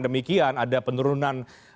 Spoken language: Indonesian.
demikian ada penurunan